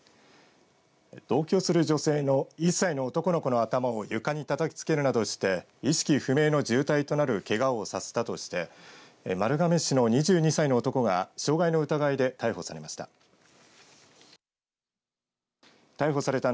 同居する女性の１歳の男の子の頭を床にたたきつけるなどして意識不明の重体となるけがをさせたとして丸亀市の２２歳の男が傷害の疑いで逮捕されました。